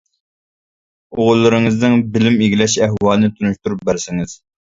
ئوغۇللىرىڭىزنىڭ بىلىم ئىگىلەش ئەھۋالىنى تونۇشتۇرۇپ بەرسىڭىز.